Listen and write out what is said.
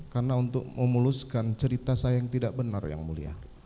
karena untuk memuluskan cerita saya yang tidak benar yang mulia